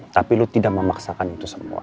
tapi lo tidak mau memaksakan itu semua